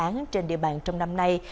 về những dự án trên địa bàn trong năm nay